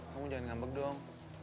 kamu jangan ngambek dong